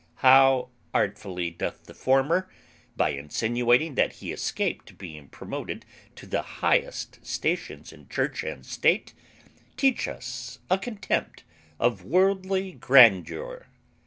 How artfully doth the former, by insinuating that he escaped being promoted to the highest stations in Church and State, teach us a contempt of worldly grandeur!